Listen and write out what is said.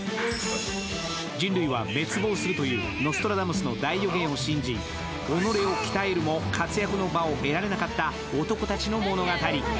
人類は滅亡するというノストラダムスの大予言を信じ、己を鍛えるも活躍の場が得られなかった男たちの物語。